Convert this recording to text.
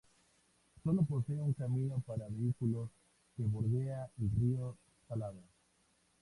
Sólo posee un camino para vehículos que bordea el Río Salado.